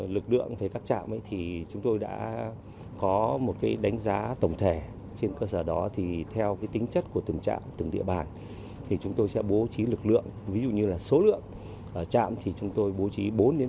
lực lượng về các trạm thì chúng tôi đã có một đánh giá tổng thể trên cơ sở đó thì theo tính chất của từng trạng từng địa bàn thì chúng tôi sẽ bố trí lực lượng ví dụ như là số lượng trạm thì chúng tôi bố trí bốn mươi